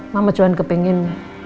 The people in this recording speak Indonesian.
mama cuan kepingin